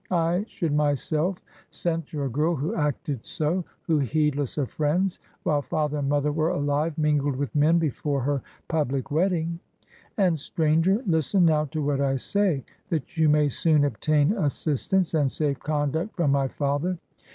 I should myself censure a girl who acted so, who, heedless of friends, while father and mother were aUve, mingled with men before her public wedding. And, stranger, listen now to what I say, that you may soon obtain as sistance and safe conduct from my father.